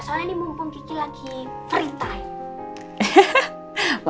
soalnya ini mumpung kecil lagi free time